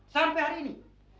sampai hari ini